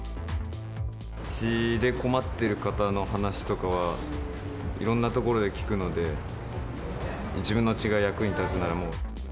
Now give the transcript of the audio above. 血で困ってる方の話とかは、いろんな所で聞くので、自分の血が役に立つなら。